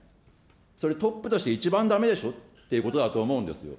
それトップとして一番だめでしょっていうことだと思うんです。